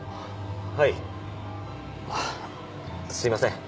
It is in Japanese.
はいあぁすいません